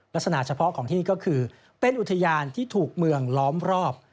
ลักษณะเฉพาะของที่นี่ก็คือเป็นอุทยานที่ถูกเมืองล้อมรอบ